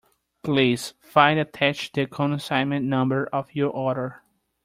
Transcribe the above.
Please find attached the consignment number of your order.